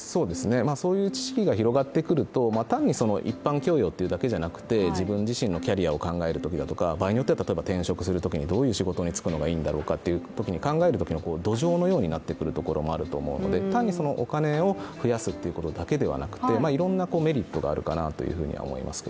そういう知識が広がってくると一般教養というだけではなくて、自分自身のキャリアを考えるときとか場合によっては転職するときにどういう仕事に就くのがいいんだというふうに考えるときの土壌のようになるところもあるので単にお金を増やすだけではなくていろんなメリットがあるかなと思います。